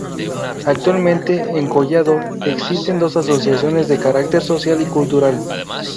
Actualmente en Collado existen dos asociaciones de carácter social y cultural.